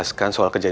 sangat di